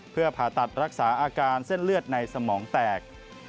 เพื่อผ่าตัดรักษาอาการเส้นเลือดในสมองแตก